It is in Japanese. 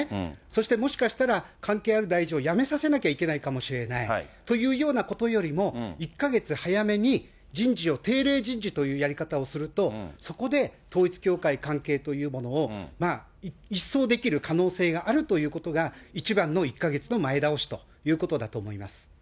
そしてもしかしたら、関係ある大臣を辞めさせなければいけないかもしれないというようなことよりも、１か月早めに、人事を定例人事というやり方をすると、そこで統一教会関係というものを一掃できる可能性があるということが、一番の１か月の前倒しということだと思います。